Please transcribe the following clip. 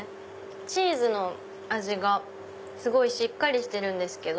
チーズの味がすごいしっかりしてるんですけど